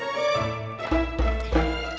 herman siapa mbak